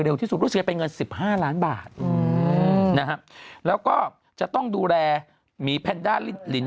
เร็วที่สุดเป็นเงิน๑๕ล้านบาทแล้วก็จะต้องดูแลมีแพนด้าลิน